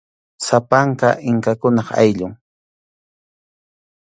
Sapanka inkakunap ayllun.